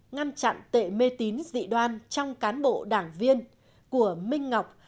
ngăn chặn tệ mê tín dị đoan trong cán bộ đảng viên của minh ngọc